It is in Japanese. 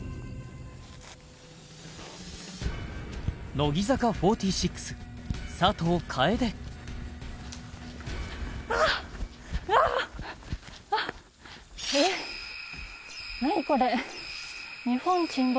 乃木坂４６・佐藤楓えっ何これ？